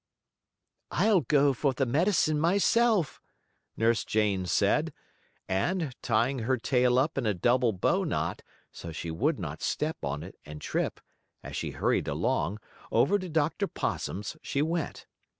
"I'll go for the medicine myself," Nurse Jane said, and, tying her tail up in a double bow knot, so she would not step on it, and trip, as she hurried along, over to Dr. Possum's she went.